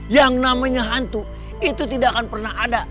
yang namanya hantu itu tidak akan pernah ada